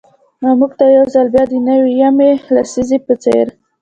او مـوږ تـه يـو ځـل بـيا د نـوي يمـې لسـيزې پـه څـېر.